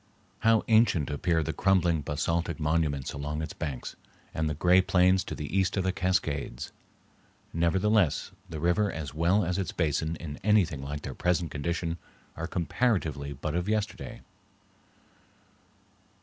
How ancient appear the crumbling basaltic monuments along its banks, and the gray plains to the east of the Cascades! Nevertheless, the river as well as its basin in anything like their present condition are comparatively but of yesterday.